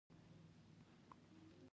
نجلۍ نرمه خبرې کوي.